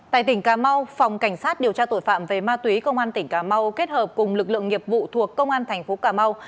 tại tỉnh cà mau phòng cảnh sát điều tra tội phạm về ma túy công an tỉnh cà mau kết hợp cùng lực lượng nghiệp vụ thuộc công an thành phố cà mau